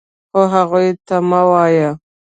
خو هغوی ته مه وایه .